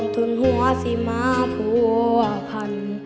ทุนหัวสิมาพัวพัน